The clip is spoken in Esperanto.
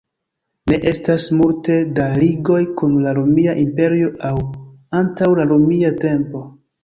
Ne estas multe da ligoj kun la Romia Imperio aŭ antaŭ la romia tempo.